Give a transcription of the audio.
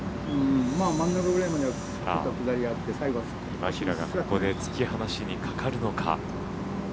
今平がここで突き放しにかかるのか。